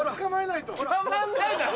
捕まんないだろ！